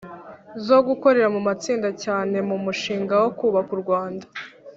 zo gukorera mu matsinda cyane mu mushinga wo kubaka u Rwanda